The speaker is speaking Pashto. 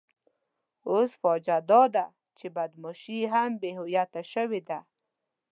اوس فاجعه داده چې بدماشي هم بې هویته شوې ده.